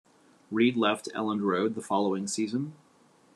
Reid left Elland Road the following season.